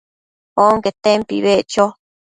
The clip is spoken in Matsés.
onquetempi beccho